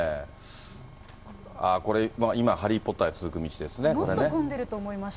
これ、今、ハリー・ポッターに続もっと混んでると思いました。